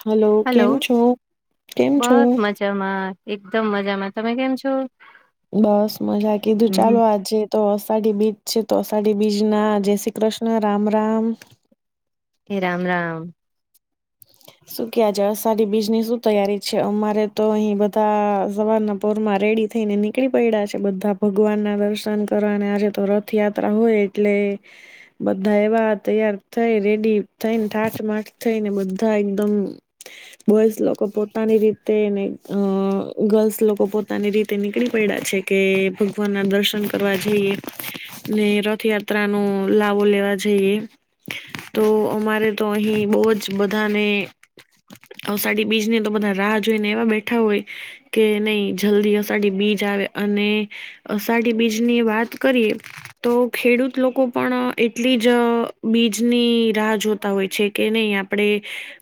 Hello કેમ છો? કેમ છો? બસ મજામાં, એકદમ મજામાં તમે કેમ છો? બસ, મજા કીધું હમ, ચાલો આજે. તો અષાઢી બીજ છે. તો અષાઢી બીજ ના જય શ્રી કૃષ્ણ રામ રામ. કે રામ, રામ. હ [inaudible] શું ક્યા જાવ છે અષાઢી બીજની શું તૈયારી છે. અમારે તો અહીં બધા સવારના પોરમાં રેડી થઈને ની કળી પડ્યા છે. બધા ભગવાન ના દર્શન કરવા અને આજે રથયાત્રા હોય એટલે. બધા એવા તૈયાર થઈ રેડી થઈ ને ઠાઠમાટ થઈને. બધાં એકદમ. બોયસ લોકો પોતાની રીતે અને ગર્લ્સ લોકો પોતાની રીતે નીકળી પૈડા છે. કે ભગવાનના દર્શન કરવા જઈએ. ને રથયાત્રાનો લાવો લેવા જઈએ. તો અમારે તો અહી બહુ જ બધાને. અષાઢી બીજના તો બધા રાહ જોઈ ને એવા બેઠા હોય. કે નઈ જલ્દી અષાઢી બીજ આવે અને. અષાઢી બીજ ની વાત કરીએ. તો ખેડૂત લોકો પણ એટલી જ બીજની રાહ જોતા હોય છે કે નઈ. આપડે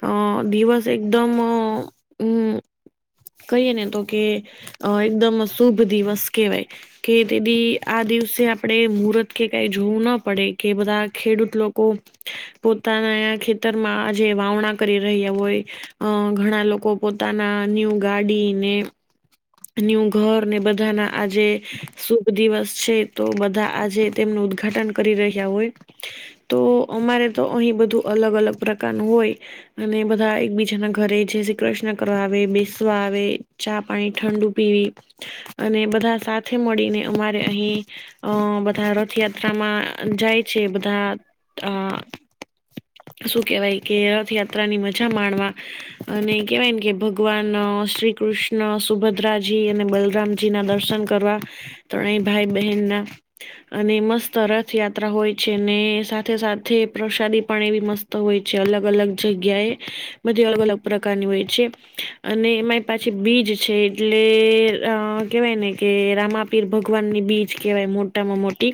અ દિવસ એકદમ અ. કહીએ ને તો કે એકદમ શુભ દિવસ કેહેવાય. કે તે દી આ દિવસે આપણેે મુહૂર્ત કે કઈ જોવું ન પડે કે બધા ખેડૂત લોકો. પોતાના ખેતરમાં આજે વાવણા કરી રહ્યા હોય. અ ઘણા લોકો પોતાના ન્યૂ ગાડીને. ન્યુ ઘરને બધાના આજે. શુભ દિવસ છે. તો બધા આજે તેમનું ઉદઘાટન કરી રહ્યા હોય. તો અમારે તો અહી બધું અલગ અલગ પ્રકારનું હોય. અને બધા એક બીજાના ઘરે જે શ્રી કૃષ્ણ કરવા આવે. બેસવા આવે ચા, પાણી, ઠંડુ પીવી. અને બધા સાથે મળીને અમારે અહી. અ બધા, રથયાત્રામાં જાય છે. બધા અ- શું કેવાય? કે, રથયાત્રાની મજા માણવા- અને કેવાય કે, ભગવાન શ્રી કૃષ્ણ સુભદ્રાજી અને બલરામ- -જીના દર્શન કરવા, ત્રણેય ભાઈ બહેનના. અને મસ્ત રથયાત્રા હોય છે. ને, સાથે સાથે પ્રસાદી પણ એવી મસ્ત- -તો હોય છે. અલગ અલગ જગ્યા એ બધી અલગ અલગ પ્રકારની હોય છે. અને એમાંઈ પાછી બીજ છે, એટલે અ કેવાય ને કે રામા- -પીર ભગવાનની બીજ કહેવાય મોટામાં મોટી.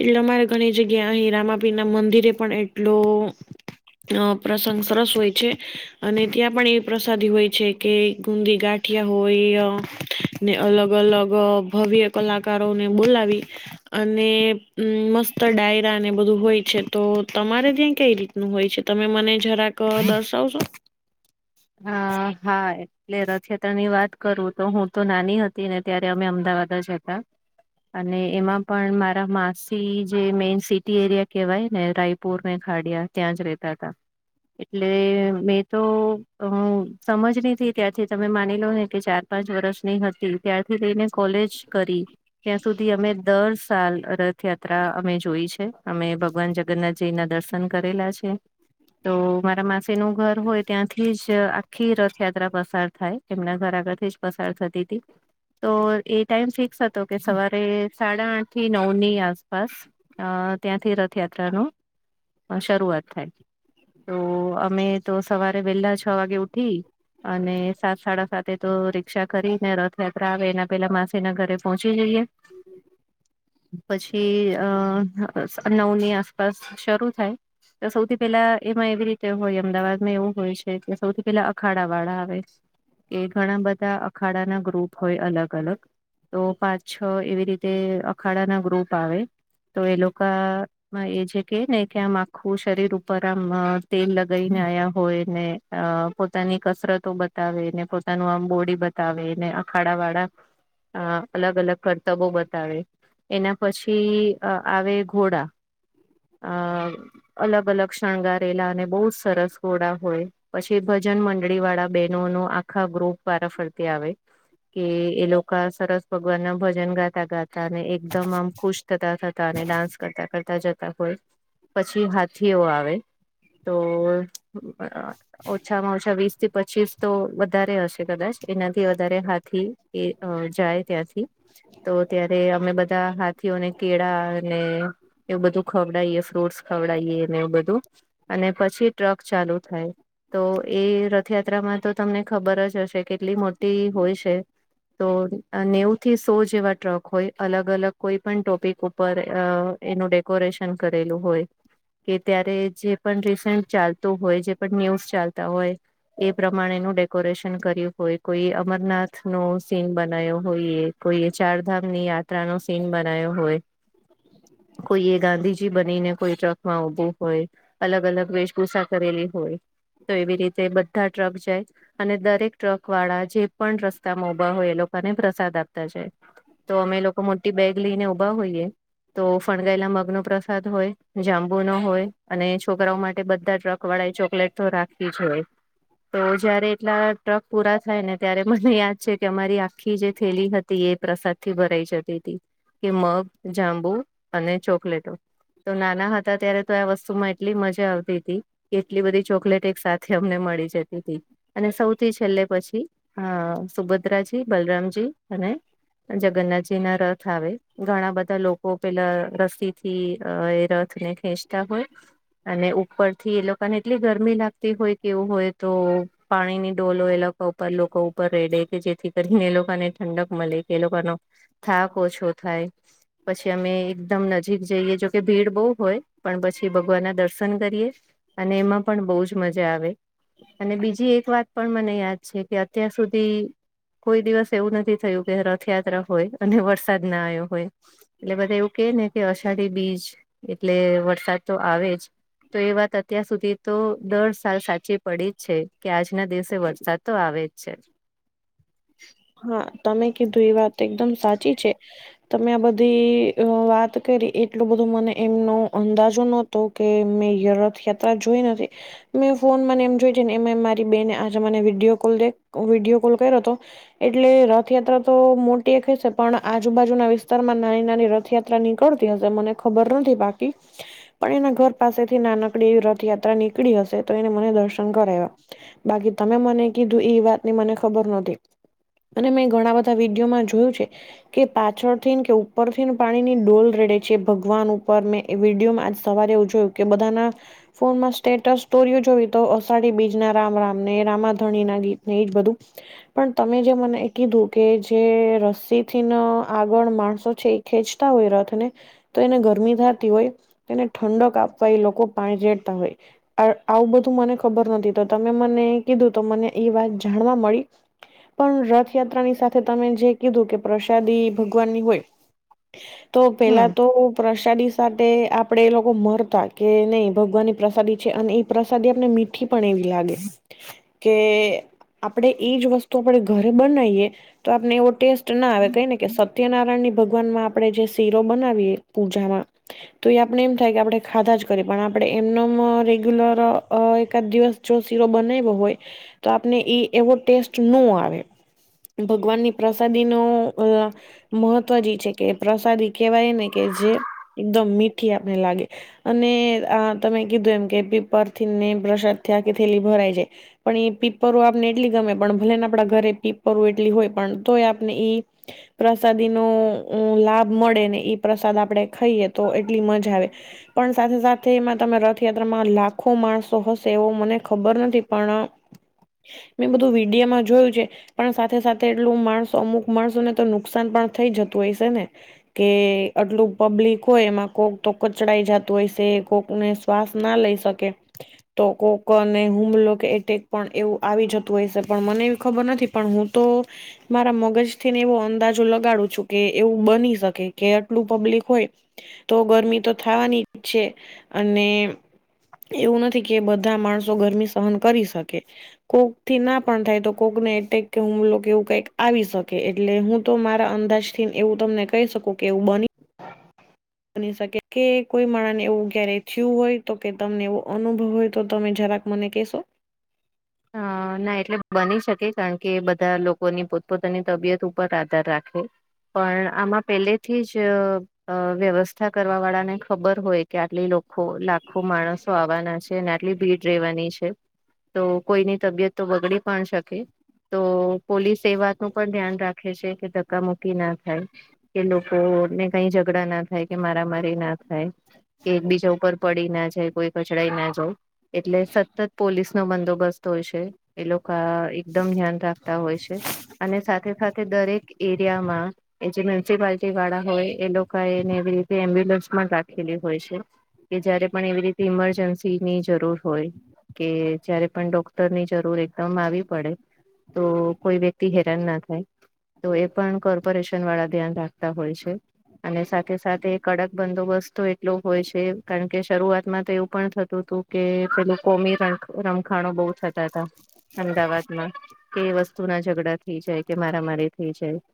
એટલે અમારે ઘણી જગ્યા, અહી રામાપીરના મંદિરે પણ એટલો- -અ પ્રસંગ સરસ હોય છે. અને ત્યાં, પણ એવી પ્રસાદી હોય છે કે ગુંદી ગાંઠિયા હોય અ- -ને અલગ અલગ ભવ્ય કલાકારોને બોલાવી- -અને મસ્ત ડાયરાને બધું હોય છે. તો તમારે ત્યાં કઈ રી- -હોય છે? તમે જરાક દર્શાવશો? હા, હા. એટલે, રથયાત્રાની વાત કરું તો, હું તો નાની હતી ને, ત્યારે અમે અમદાવાદ જ હતા. અને એમાં પણ, મારા માસી જે મેન સિટી એરિયા કહેવાય ને રાય- -પૂરને ખાડિયા ત્યાં જ રેતા તા. એટલે મેં તો- હું સમજણી થઈ ત્યાંથી, તમે માની લો ને કે ચાર પાંચ વર્ષની હતી. ત્યારથી લઈને કોલેજ કરી. ત્યાં સુધી, અમે દર સાલ રથયાત્રા અમે જોઈ છે. અમે ભગવાન જગ- -ન્નાથજીના દર્શન કરેલા છે, તો મારા માસી નું ઘર હોય ત્યાંથી- -થી જ આખી રથયાત્રા પસાર થાય. એમના ઘર આગળથી જ પસાર થતી તી. તો, એ ટાઈમ ફિક્સ હતો કે, સવારે સાડા આઠ થી નવની આસપાસ- - ત્યાંથી રથયાત્રાની શરૂઆત થાય છે. તો, અમે તો સવારે વહેલા છ વાગ્યે ઊઠી- અને, સાત-સાડા સાત વાગ્યે, રિક્ષા કરીને રથયાત્રા આવે એના પહેલાં માસીના ઘરે પહોંચી જઈએ. પછી, નવ વાગ્યાની આસપાસ શરૂ થાય. તો, સૌથી પહેલાં એમાં એવી રીતે હોય છે, અમદાવાદમાં એવુ- હોય છે, ત્યાં સૌથી પહેલાં અખાડાવાળા આવે. એમાં, ઘણા બધા અખાડાના ગ્રુપ હોય છે, અલગ-અલગ- તો, પાંચ છ એવી રીતે અખાડાના ગ્રૂપ આવે, તો એ લોકો- એ છે કેને, આમ આખુ શરીર ઉપર આમ તેલ લગાવીને આયા- -હોય ને, પોતાની કસરતો બતાવે ને, પોતાનું આમ બોડી બતાવે. -અખાડાવાળા. -અને અલગ-અલગ કરતબો બતાવે. એના પછી ઘોડા આવે. -અલગ-અલગ શણગારેલા અને બહુ જ સરસ ઘોડા હોય. -પછી ભજન મંડળીવાળાં બહેનોનું, આખું ગ્રુપ વારા ફરતી આવે. કે, એ લોકો સરસ ભગવાનનાં ભજનો ગાતાં-ગાતાં એકદમ આમ ખુશીથી આવે. થતાં-થતાં અને ડાન્સ કરતાં-કરતાં જતા હોય. પછી, હાથીઓ આવે, તો ઓછામાં ઓછા વીસથી- -પચીસ તો વધારે હશે કદાચ, એનાથી વધારે હાથીઓ જાય ત્યાંથી. તો, ત્યારે અમે બધા હાથીઓને કેળાં અને એવું બધું આપીએ. ખવડાઈએ ફ્રૂટ્સ, ખવડાઈએ ને એવું બધું, અને પછી ટ્રક ચાલુ થાય. -તો એ રથયાત્રા મા તો તમને ખબર જ હશે, કેટલી મોટી હોય છે. તો અ નેવુંથી સો જેવા ટ્રક હોય, અલગ-અલગ કોઈ પણ ટોપીક ઉપર અ એનો ડેકોરેશન કરેલો હોય. કે ત્યારે જે પણ રિસન્ટ ચાલતું હોય, જે પણ ન્યૂઝ ચાલતા હોય. એ પ્રમાણેનું ડેકોરેશન કર્યું હોય, કોઈ અમરનાથનો સીન બનાવ્યો હોય એવું. કોઈએ ચારધામની યાત્રાનો સીન બનાવ્યો હોય. કોઈએ ગાંધીજી બનીને કોઈ ટ્રકમાં ઊભા હોય, અલગ-અલગ વેશભૂષા કરેલી હોય. તો એવી રીતે બધા ટ્રક જાય. અને દરેક ટ્રકવાળા જે પણ રસ્તામાં ઊભા હોય એ લોકોને પ્રસાદ આપતા જાય. તો અમે લોકો મોટી બેગ લઈને ઊભા હોઈએ, તો ફણગાવેલા મગનો પ્રસાદ પ્રસાદ હોય, જાંબુનો હોય અને છોકરાઓ માટે બધા ટ્રક વડા, એ ચોકલેટ તો રાખવી જ હોય. તો જ્યારે એટલા ટ્રક પૂરા થાય ને, ત્યારે મને યાદ છે કે અમારી આખી જે થેલી હતી તેએ પ્રસાદથી ભરાઈ જતી હતી, કે મગ, જાંબુ અને ચોકલેટો તો નાના હતા ત્યારે તો આ વસ્તુમાં એટલી મજા આવતી હતી. કેટલી બધી ચોકલેટ એકસાથે અમને મળી જતી તી! અને સૌથી છેલ્લે પછીઅ સુભદ્રાજી, બલરામજી અને જગન્નાથજીનો રથ આવે, ઘણા બધા લોકો પહેલાં રસીથી અ એ રથને ખેંચતા હોય. અને ઉપરથી એ લોકોને એટલી ગરમી લાગતી હોય કેવું હોય તો પાણીની ડોલો એ લોકો ઉપર લોકો ઉપર રેડે છે જેથી કરીને એ લોકોને ઠંડક મળે. એ લોકોનો થાક ઓછો થાય, પછી અમે એકદમ નજીક જઈએ. જોકે ભીડ બહુ હોય, પણ પછી ભગવાનનાં દર્શન કરીએ. અને એમાં પણ બહુ જ મજા આવે. અને બીજી એક વાત પણ મને યાદ છે કે અત્યાર સુધી કોઈ દિવસ એવું નથી થયું કે રથયાત્રા હોય અને વરસાદ ન આવ્યો હોય. એટલે બધા એવું કે ને અષાઢી બીજ એટલે વરસાદ તો આવે જ, તો એ વાત અત્યાર સુધી તો દર સાલ સાચી પડી જ છે કે આજના દિવસે વરસાદ તો આવે જ છે. હા -તમે કીધું એ વાત એકદમ સાચી છે. તમે આ બધી વાત કરી એટલું બધું મને એમનો અંદાજો નો તો કે મેં રથયાત્રા જોઈ નથી. મેં ફોન મને એમ જોય જોય ને એ મારી બેને આજે મને વિડીયો કોલે દેખ વિડીયો કોલ કર્યો હતો. એટલે રથયાત્રા તો મોટી એક જ છે પણ આજુબાજુના વિસ્તારમાં નાની નાની રથયાત્રા યાત્રા નીકળતી હશે મને ખબર નથી બાકી પણ એના ઘર પાસેથી નાનકડી એવી રથયાત્રા નીકળી હશે તો એણે મને દર્શન કરાવ્યા બાકી તમે મને કીધું ઈ વાત ની મને ખબર નોતી અને મેં ઘણા બધા વિડીયોમાં જોયું છે કે પાછળથી ને કે ઉપરથી ને પાણી ની ડોલ રેડે છે ભગવાન ઉપર એ વિડીયોમાં આજ સવારે એવું જોયું કે બધાના ફોનમાં સ્ટેટસ સ્ટોરીઓ જોવી તો અષાઢી બીજ ના રામ રામ ને રામાધણી ના ગીત ને એ જ બધું પણ તમે જે મને એ કીધું કે જે રસી થી ન આગળ માણસો છે ખેંચતા હોય રથને તો એને ગરમી થાતી હોય એને ઠંડક આપવા એ લોકો પાણી રેડતા હોય. આવ-આવું બધું મને ખબર નોતી તો તમે મને એ કીધું તો મને એ વાત જાણવા મળી. પણ રથયાત્રાની સાથે તમે જે કીધું કે પ્રસાદી ભગવાનની હોય તો હમ પેલા તો પ્રસાદી સાથે આપડે એ લોકો મરતા કે, નહીં ભગવાનની પ્રસાદી છે. અને એ પ્રસાદી આપને [unintelligible] ઠી પણ એવી લાગે કે આપડે એજ વસ્તુ આપડે ઘરે બનાવીએ તો આપણે એવો ટેસ્ટ ના આવે કેઈ ને કે સ ત્યનારાયણની ભગવાન માં આપણે જે શીરો બનાવીએ પૂજામાં તો એ આપણે એમ થાય કે આપણે ખાધાં જ કરીએ પણ આપણે એમનો [unintelligible] રેગ્યુલર અ એકાદ દિવસ જો શીરો બનાવવ્યો હોય તો આપણે એ એવો ટેસ્ટ નો આવે. ભગવાનની પ્રસાદી નો અ મહત્વ ઇજ છે કે પ્રસાદી કેવાય ને કે જે એકદમ મીઠી આપને લાગે અને આ તમે કીધું એમ કે પીપરથી ને પ્રસાદ થી આખી થેલી ભરાઈ જાય પણ એ પીપર [unintelligible] આપને એટલી ગમે પણ ભલે ને આપડા ઘરે પિપરો એટલી હોય પણ તો એ આપને ઈ પ્રસાદી નો લાભ મળે ને ઈ પ્રસાદ આપણે ખાઈએ તો એટલી મજા આવે પણ સાથે સાથે એમાં તમે રથયાત્રામાં લાખો માણસો હશે એવો મને ખબર નથી પણ મેં બધું વિડિયો માં જોયું છે પણ સાથે સાથે એટલું માણસો અમુક માણસો ને તો નુકસાન પણ થઈ જતું હોય સે ને. કે આટલું પબ્લિક હોય એમાં કોક તો કચડાઈ જતું હોય સે કોક ને શ્વાસ ના લઈ શકે તો કોકોને હુમલો કે એટેક પણ એવું આવી જતું હોય સે પણ મને એવી ખબર નથી પણ હું તો મારા મગજ થી ને એવો અંદાજો લગાડું છું કે એવું બની શકે કે આટલું પબ્લિક હોય તો ગરમી તો થવાની જ છે. અને એવું નથી કે બધાં માણસો ગરમી સહન કરી શકે. કોક થી ના પણ થાય તો કોકને એટેક કે હુમલો એવું કંઈક આવી શકે એટલે હું તો મારાં અંદાજ થી એવું તમને કહીં શકુ કે એવું બની [inaudible] બની શકે કે કોઈ માણહ ને એવું ઘેરે થયું હોય તો કે તમને એવો અનુભવ હોય તો તમે જરાક મને કેશો? હા. ના, એટલે બની શકે કારણ કે એ બધાં લોકોની પોતપોતાની તબિયત ઉપર આધાર રાખે. પણ આમા પેલેથી જ અ વ્યવસ્થા કરવા વાળા ને ખબર હોય કે આટલી લોકો લાખો માણસ [unintelligible] આવવાના છે. ને આટલી ભીડ રહેવાની છે. તો કોઈની તબિયત તો બગડી પણ શકે. તો પોલીસ એ વાતનું પણ ધ્યાન રાખે છે કે ધક્કા મુક્કી ના થાય. એ લોકો ને કંઈ ઝઘડા ના થાય કે મારા મારી ના થાય કે એકબીજા ઉપર પડી ના જાય કોઈ કચડાઈ ના જાય એટલે સતત પોલીસ નો બંદોબસ્ત હોય છે. એ લોકો આ એકદમ ધ્યાન રાખતા હોય છે. અને સાથે સાથે દરેક એરિયામાં એ જે [unintelligible] જે પાલટી વાળા હોય એ લોકો એને એવી રીતે એમ્બ્યુલન્સ પણ રાખેલી હોય છે. કે જયારે પણ એવી રીતે ઈમરજન્સી ની જરૂર હોય કે જ્યારે પણ ડોક ટર ની જરૂર એકદમ આવી પડે તો કોઈ વ્યક્તિ હેરાન ના થાય. તો એ પણ કોર્પોરેશન વાળા ધ્યાન રાખતા હોય છે. અને સાથે સાથે કડક બંદોબસ્ત તો એટલો હોય છે કારણ કે શરૂઆતમાં તો પણ થતું હતુ કે પેલું કોમી રણ રમખાણો બહું થતાં હતાં. અમદાવાદમાં કે એ વસ્તુ ના ઝઘડા થઈ જાય કે મારા મારી થઈ જાય.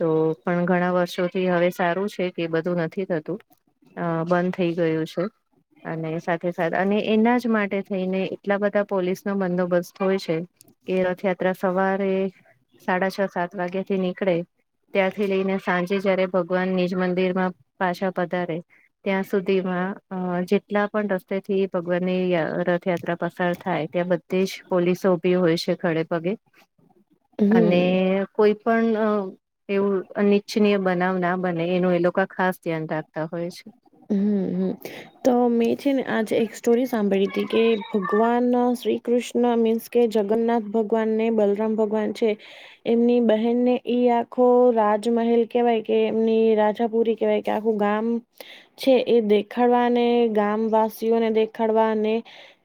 તો પણ ઘણાં વર્ષોથી હવે સારું છે તે બધું નથી થતું. અ બંધ થઈ ગયું છે. અને સાથે સાથે અને એના જ માટે થઈને એટલા બધા પોલીસ. નો બંદોબસ્ત હોય છે કે રથયાત્રા સવારે. સાડા છ સાત વાગ્યા થી નીકળે. ત્યાંથી લઈને સાંજે જયારે ભગવાન નિજ મંદિર માં પાછા પધારે. ત્યાં સુધીમાં અ જેટલા પણ રસ્તે થી ભગવાનની રથયાત્રા પસાર થાય ત્યાં બધા. તેજ પોલીસો ભી હોય છે ખડે પગે અને. હમ કોઈ પણ. એવું અનિચ્છનીય બનાવ ના બને એનું એ લોકા ખાસ ધ્યાન રાખતા હોય છે. હમમ, તો. મેં છે ને આજે એક સ્ટોરી સાંભળી તી કે ભગવાન શ્રી કૃષ્ણ મીન્સ. કે જગન્નાથ ભગવાન ને બલરામ ભગવાન છે. એમની બહેનને ઈ આખો રાજમહેલ કેહેવાય કે એમની રાજાપુરી કેવાય. કે આખું ગામ છે એ દેખાડવાને ગામ વાસીઓને દેખાડવાને.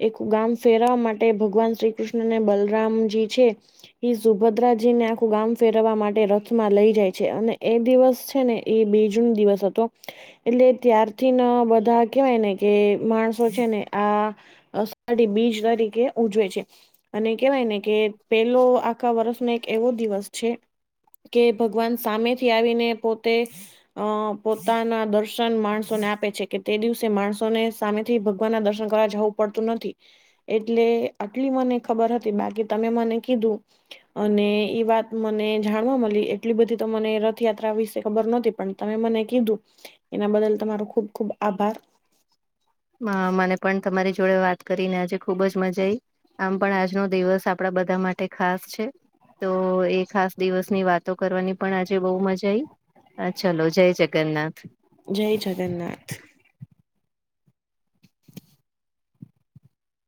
એકું ગામ ફેરવા માટે ભગવાન શ્રી કૃષ્ણ અને બલરામજી છે. એ સુભદ્રાજી ને આખું ગામ ફેરવવા માટે રથમાં લઈ જાય છે અને એ દિવસ છે ને. એ બે જૂન દિવસ હતો એટલે ત્યારથી ન બધા કેવાય ને. કે માણસો છે ને આ અસાઢીબીજ તરીકે ઉજવે છે. અને કેવાય ને કે પેલો આખા વર્ષનો એક એવો દિવસ છે. કે ભગવાન સામેથી આવીને પોતે અ પોતાના દર્શ. દર્શન માણસોને આપે છે કે તે દિવસે માણસોને સામેથી ભગવાન ના દર્શન કરવા જવું પડતું નથી. એટલે આટલી મને ખબર હતી બાકી તમે મને કીધું. અને ઈ વાત મને જાણવા મળી. એટલી બધી તો મને રથયાત્રા વિશે ખબર નતી પણ. તમે મને કીધું એના બદલ તમારો ખુબ ખુબ આભાર. હ મને પણ તમારી જોડે વાત કરીને આજે ખુબ જ મઝા આઈ. આમ પણ આજનો દિવસ આપણા બધા માટે ખાસ છે. તો એ ખાસ દિવસની વાતો કરવાની પણ આજે બહુ મઝા આઈ. હા ચલો જય જગન્નાથ. જય જગન્નાથ.